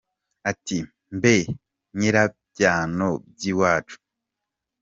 Ati mbe nyirabyano by’ iwacu